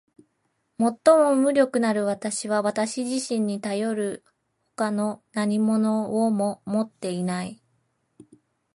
最も無力なる私は私自身にたよる外の何物をも持っていない。